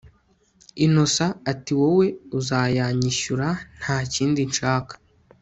Innocent atiwowe uzayanyishyura ntakindi nshaka